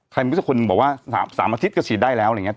ใครมันก็คือคนบอกว่า๓อาทิตย์ก็สีดได้แล้วอะไรอย่างนี้